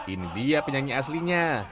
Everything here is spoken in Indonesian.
ini dia penyanyi aslinya